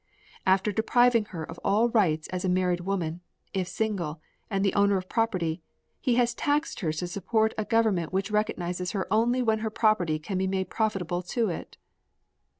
After depriving her of all rights as a married woman, if single, and the owner of property, he has taxed her to support a government which recognizes her only when her property can be made profitable to it.